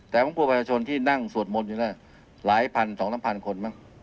แต่ผมกลัวประชาชนที่นั่งสวดมนต์อยู่นั่นหลายพันสองสามพันคนมั้ง